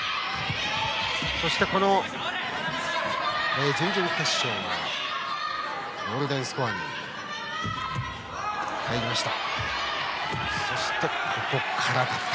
そして準々決勝はゴールデンスコアに入りました。